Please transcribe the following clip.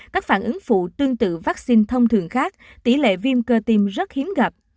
các phản ứng phụ tương tự vaccine thông thường khác tỷ lệ viêm cơ tim rất hiếm gặp